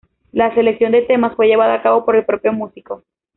La selección de temas fue llevada a cabo por el propio músico.